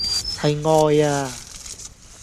係愛呀！